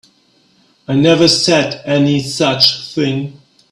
I never said any such thing.